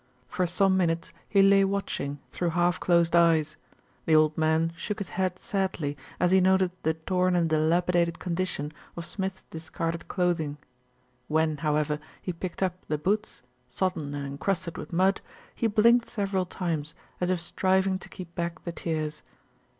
For some minutes he lay watching through half closed eyes. The old man shook his head sadly as he noted the torn and dilapidated condition of Smith's dis carded clothing. When, however, he picked up the boots, sodden and encrusted with mud, he blinked sev eral times, as if striving to keep back the tears.